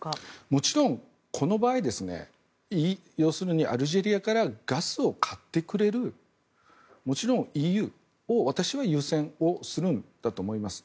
もちろん、この場合アルジェリアからガスを買ってくれるもちろんＥＵを私は優先するんだと思います。